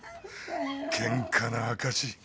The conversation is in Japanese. ケンカの証し。